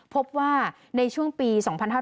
พบว่าในช่วงปี๒๕๕๙